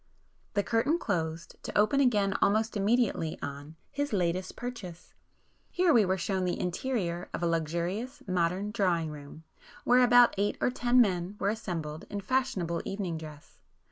The curtain closed,—to open again almost immediately on "His Latest Purchase." Here we were shown the interior of a luxurious modern drawing room, where about eight or ten men were assembled, in fashionable evening dress.